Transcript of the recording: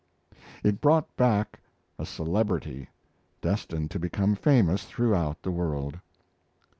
It brought back a celebrity, destined to become famous throughout the world.